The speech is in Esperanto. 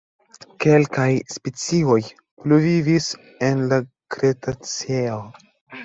Kelkaj specioj pluvivis en la Kretaceo.